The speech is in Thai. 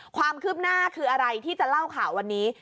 ความคืบหน้าคืออะไรที่จะเล่าข่าววันนี้